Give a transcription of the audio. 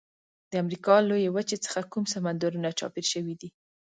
د امریکا له لویې وچې څخه کوم سمندرونه چاپیر شوي دي؟